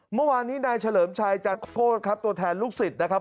เมื่อวานนี้นายเฉลิมชัยจักโคตรครับตัวแทนลูกศิษย์นะครับ